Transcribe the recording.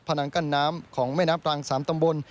นังกั้นน้ำของแม่น้ำตรัง๓ตำบล